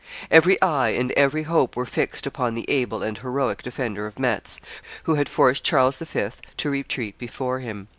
Every eye and every hope were fixed upon the able and heroic defender of Metz, who had forced Charles V. to retreat before him.